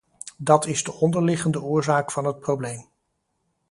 Dat is de onderliggende oorzaak van het probleem.